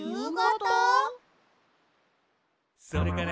「それから」